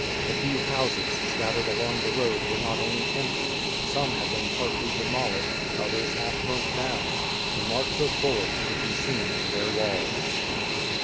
The few houses scattered along the road were not only empty, some had been partly demolished, others half burnt down. The marks of bullets could be seen on their walls.